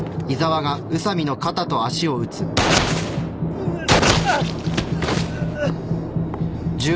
うっ